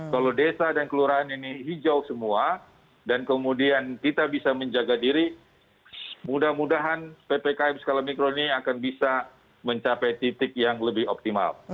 kalau desa dan kelurahan ini hijau semua dan kemudian kita bisa menjaga diri mudah mudahan ppkm skala mikro ini akan bisa mencapai titik yang lebih optimal